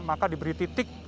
maka diberi titik